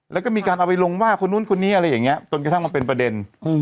แล้วก็มีการเอาไปลงว่าคนนู้นคนนี้อะไรอย่างนี้จนกระทั่งมาเป็นประเด็น